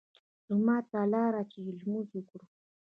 جومات ته لاړ چې لمونځ وکړي.